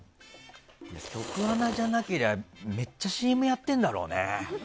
局アナじゃなけりゃめっちゃＣＭやってるんだろうね。